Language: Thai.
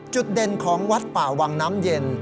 จุดเด่นของวัดป่าวังน้ำเย็น